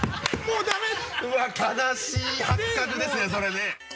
うわっ悲しい発覚ですねそれね。